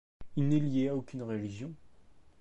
Il n’est lié à aucune religion.